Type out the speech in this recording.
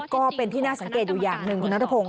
ก็เป็นที่น่าสังเกตอยู่อย่างหนึ่งคุณนัทพงศ